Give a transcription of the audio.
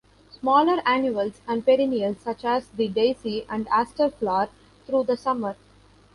Smaller annuals and perennials such as the daisy and aster flower through the summer.